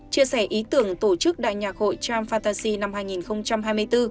chia sẻ ý tưởng tổ chức đại nhạc hội tram fantasy năm hai nghìn hai mươi bốn